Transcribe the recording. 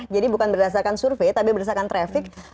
jadi bukan berdasarkan survei tapi berdasarkan trafik